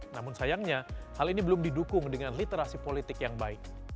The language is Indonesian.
namun sayangnya hal ini belum didukung dengan literasi politik yang baik